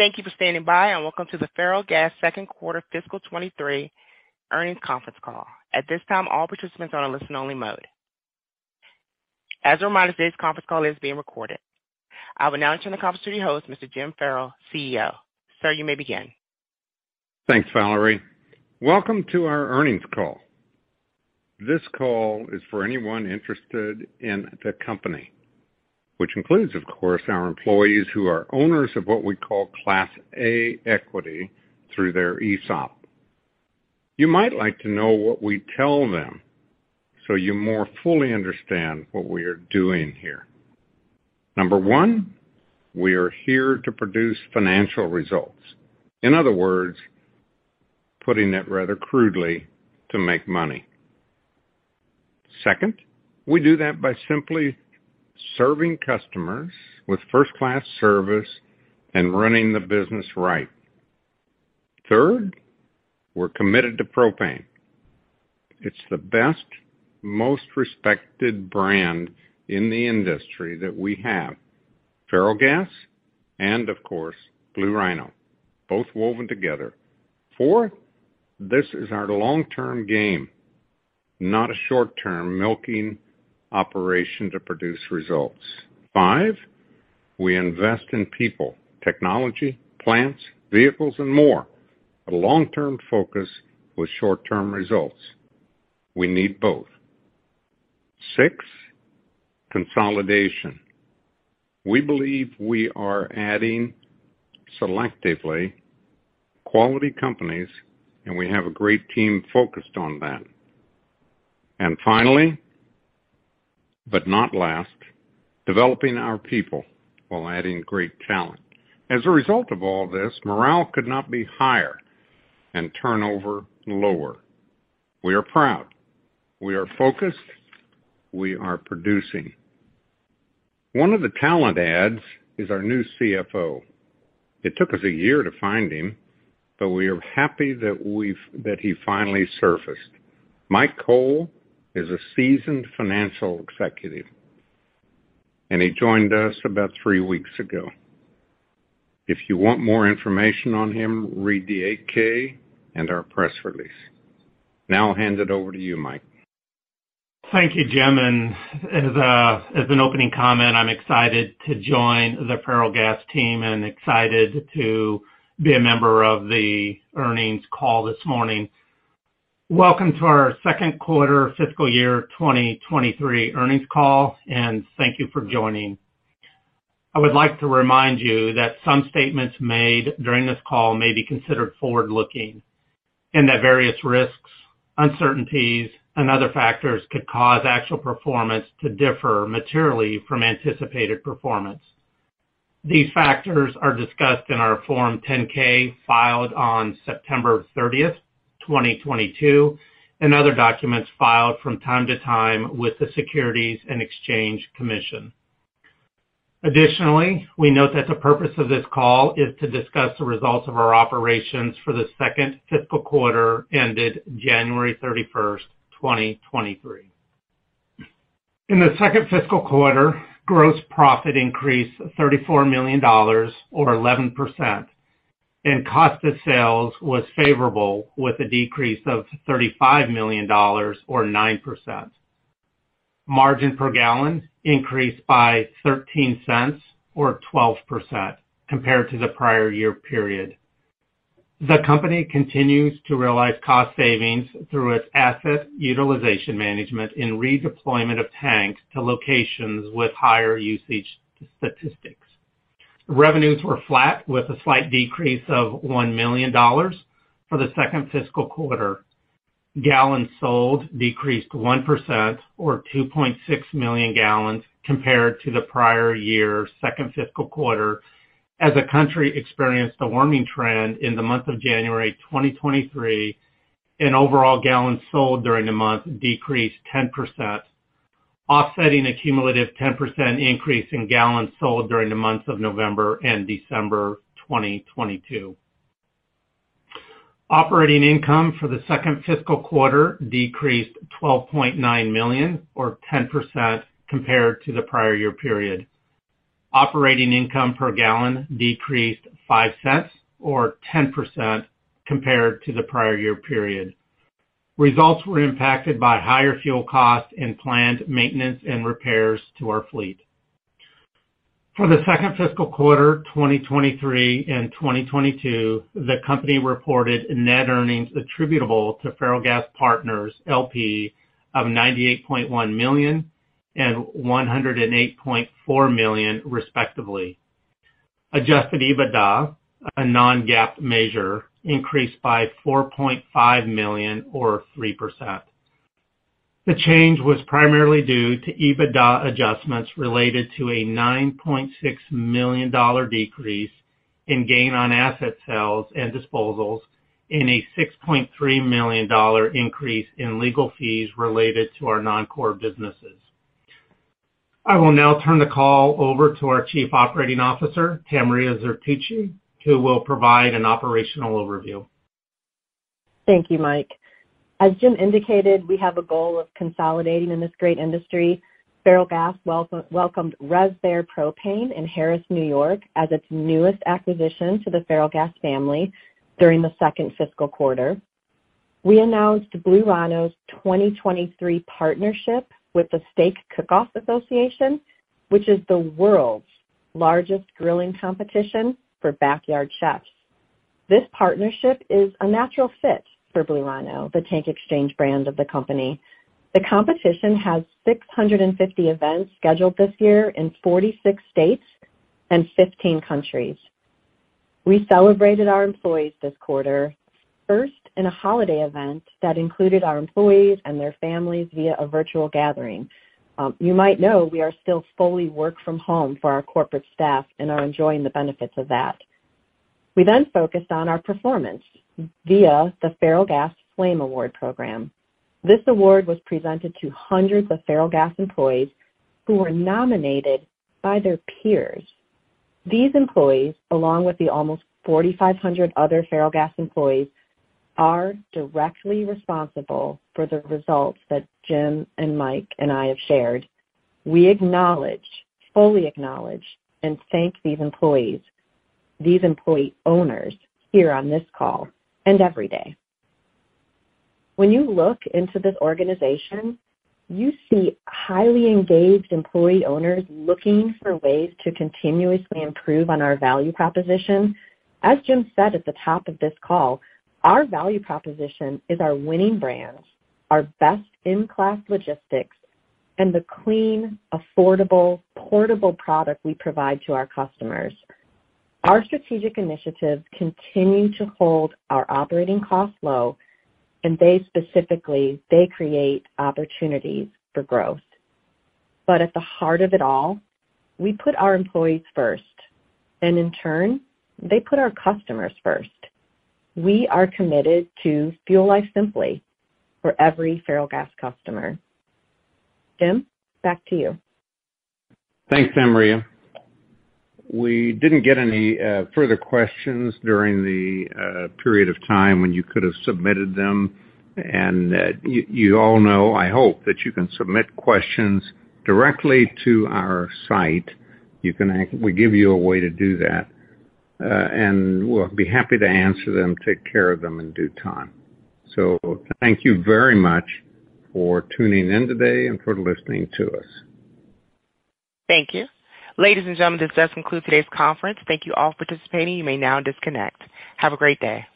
Thank you for standing by, and welcome to the Ferrellgas second quarter fiscal 2023 earnings conference call. At this time, all participants are on a listen-only mode. As a reminder, today's conference call is being recorded. I will now turn the conference to your host, Mr. Jim Ferrell, CEO. Sir, you may begin. Thanks, Valerie. Welcome to our earnings call. This call is for anyone interested in the company, which includes, of course, our employees who are owners of what we call Class A equity through their ESOP. You might like to know what we tell them so you more fully understand what we are doing here. Number one, we are here to produce financial results. In other words, putting it rather crudely, to make money. Second, we do that by simply serving customers with first-class service and running the business right. Third, we're committed to propane. It's the best, most respected brand in the industry that we have, Ferrellgas and, of course, Blue Rhino, both woven together. Four, this is our long-term game, not a short-term milking operation to produce results. Five, we invest in people, technology, plants, vehicles, and more. A long-term focus with short-term results. We need both. Six, consolidation. We believe we are adding selectively quality companies, and we have a great team focused on that. Finally, but not last, developing our people while adding great talent. As a result of all this, morale could not be higher and turnover lower. We are proud, we are focused, we are producing. One of the talent adds is our new CFO. It took us a year to find him, but we are happy that he finally surfaced. Mike Cole is a seasoned financial executive, and he joined us about three weeks ago. If you want more information on him, read the 8-K and our press release. Now I'll hand it over to you, Mike. Thank you, Jim. As an opening comment, I'm excited to join the Ferrellgas team and excited to be a member of the earnings call this morning. Welcome to our second quarter fiscal year 2023 earnings call. Thank you for joining. I would like to remind you that some statements made during this call may be considered forward-looking, and that various risks, uncertainties, and other factors could cause actual performance to differ materially from anticipated performance. These factors are discussed in our Form 10-K filed on September 30th, 2022, and other documents filed from time to time with the Securities and Exchange Commission. Additionally, we note that the purpose of this call is to discuss the results of our operations for the second fiscal quarter ended January 31st, 2023. In the second fiscal quarter, gross profit increased $34 million, or 11%, and cost of sales was favorable with a decrease of $35 million or 9%. Margin per gallon increased by $0.13 or 12% compared to the prior year period. The company continues to realize cost savings through its asset utilization management in redeployment of tanks to locations with higher usage statistics. Revenues were flat with a slight decrease of $1 million for the second fiscal quarter. Gallons sold decreased 1% or 2.6 million gallons compared to the prior year's second fiscal quarter as the country experienced a warming trend in the month of January 2023, and overall gallons sold during the month decreased 10%, offsetting a cumulative 10% increase in gallons sold during the months of November and December 2022. Operating income for the second fiscal quarter decreased $12.9 million or 10% compared to the prior year period. Operating income per gallon decreased $0.05 or 10% compared to the prior year period. Results were impacted by higher fuel costs and planned maintenance and repairs to our fleet. For the second fiscal quarter 2023 and 2022, the company reported net earnings attributable to Ferrellgas Partners, L.P. of $98.1 million and $108.4 million, respectively. Adjusted EBITDA, a non-GAAP measure, increased by $4.5 million or 3%. The change was primarily due to EBITDA adjustments related to a $9.6 million decrease in gain on asset sales and disposals and a $6.3 million increase in legal fees related to our non-core businesses. I will now turn the call over to our Chief Operating Officer, Tamria Zertuche, who will provide an operational overview. Thank you, Mike. As Jim indicated, we have a goal of consolidating in this great industry. Ferrellgas welcomed Rez-Bear Propane in Harris, New York, as its newest acquisition to the Ferrellgas family during the second fiscal quarter. We announced Blue Rhino's 2023 partnership with the Steak Cookoff Association, which is the world's largest grilling competition for backyard chefs. This partnership is a natural fit for Blue Rhino, the tank exchange brand of the company. The competition has 650 events scheduled this year in 46 states and 15 countries. We celebrated our employees this quarter, first in a holiday event that included our employees and their families via a virtual gathering. You might know we are still fully work from home for our corporate staff and are enjoying the benefits of that. We focused on our performance via the Ferrellgas Flame Award program. This award was presented to hundreds of Ferrellgas employees who were nominated by their peers. These employees, along with the almost 4,500 other Ferrellgas employees, are directly responsible for the results that Jim and Mike and I have shared. We fully acknowledge and thank these employees, these employee owners here on this call and every day. When you look into this organization, you see highly engaged employee owners looking for ways to continuously improve on our value proposition. As Jim said at the top of this call, our value proposition is our winning brands, our best-in-class logistics, and the clean, affordable, portable product we provide to our customers. Our strategic initiatives continue to hold our operating costs low, they specifically create opportunities for growth. At the heart of it all, we put our employees first, and in turn, they put our customers first. We are committed to fuel life simply for every Ferrellgas customer. Jim, back to you. Thanks, Tamria. We didn't get any further questions during the period of time when you could have submitted them. You all know, I hope, that you can submit questions directly to our site. You can We give you a way to do that, and we'll be happy to answer them, take care of them in due time. Thank you very much for tuning in today and for listening to us. Thank you. Ladies and gentlemen, this does conclude today's conference. Thank you all for participating. You may now disconnect. Have a great day.